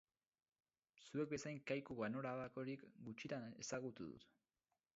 Zuek bezain kaiku ganorabakorik gutxitan ezagutu dut.